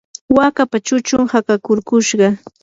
wakapa chuchun hakakurkushqa.